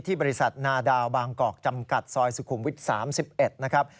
บริษัทนาดาวบางกอกจำกัดซอยสุขุมวิท๓๑นะครับ